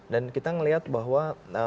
dan kita melihat bahwa